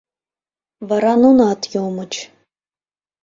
Вара нунат йомыч.